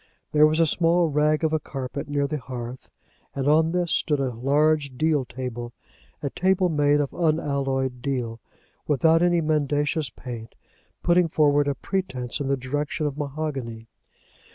There was a small rag of a carpet near the hearth, and on this stood a large deal table, a table made of unalloyed deal, without any mendacious paint, putting forward a pretence in the direction of mahogany.